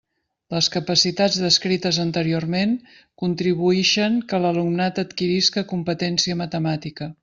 Les capacitats descrites anteriorment contribuïxen que l'alumnat adquirisca competència matemàtica.